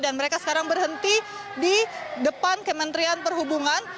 dan mereka sekarang berhenti di depan kementerian perhubungan